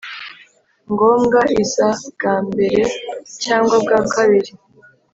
ngombwa iza bwa mbere cyangwa bwa kabiri